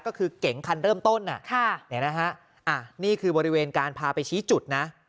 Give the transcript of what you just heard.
ก็คือเก๋งคันเริ่มต้นนี่คือบริเวณการพาไปชี้จุดนะ